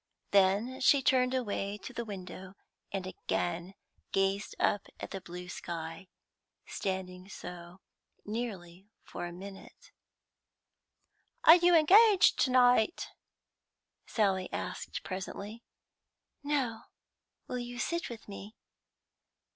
Then she turned away to the window, and again gazed up at the blue sky, standing so for nearly a minute. "Are you engaged to night?" Sally asked presently. "No; will you sit with me?"